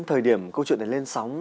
thời điểm câu chuyện này lên sóng